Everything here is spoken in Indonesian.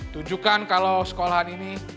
tujukan kalau sekolahan ini